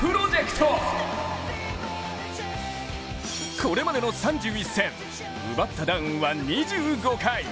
これまでの３１戦奪ったダウンは２５回。